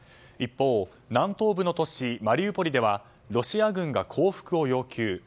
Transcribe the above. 一方、南東部の都市マリウポリではロシア軍が降伏を要求。